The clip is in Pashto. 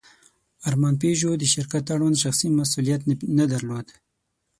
ارمان پيژو د شرکت اړوند شخصي مسوولیت نه درلود.